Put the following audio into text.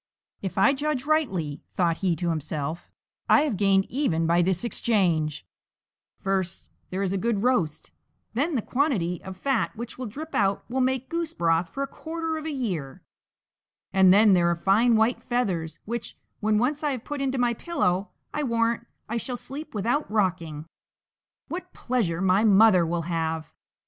"If I judge rightly," thought he to himself, "I have gained even by this exchange: first there is a good roast; then the quantity of fat which will drip out will make goose broth for a quarter of a year; and then there are fine white feathers, which, when once I have put into my pillow I warrant I shall sleep without rocking. What pleasure my mother will have!"